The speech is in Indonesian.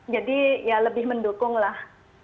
jadi ya lebih mendukung lah